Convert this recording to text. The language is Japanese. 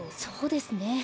そうですね。